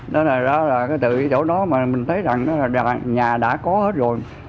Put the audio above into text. đó là từ cái chỗ đó mà mình thấy rằng là nhà đã có hết rồi